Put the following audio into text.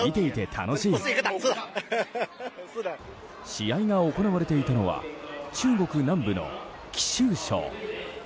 試合が行われていたのは中国南部の貴州省。